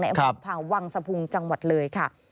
ในอำนาจผ่าวังสะพุงจังหวัดเลยค่ะ